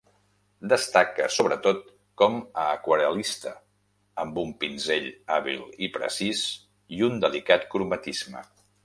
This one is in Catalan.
Destaca sobretot com a aquarel·lista, amb un pinzell hàbil i precís, i un delicat cromatisme.